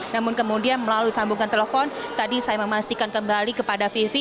namun kemudian melalui sambungan telepon tadi saya memastikan kembali kepada vivi